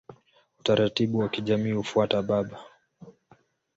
Utaratibu wa kijamii hufuata baba.